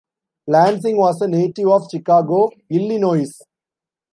Lansing was a native of Chicago, Illinois.